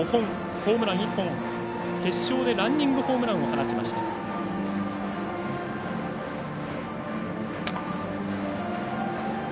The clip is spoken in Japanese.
ホームラン１本、決勝でランニングホームランを放ちました。